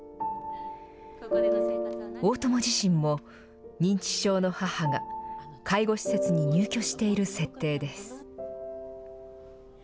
大友自身も認知症の母が介護施設に入居している設定です。